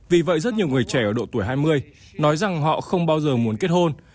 vì vậy rất nhiều người trẻ ở độ tuổi hai mươi nói rằng họ không bao giờ muốn kết hôn